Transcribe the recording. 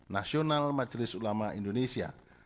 nasional majelis ulama indonesia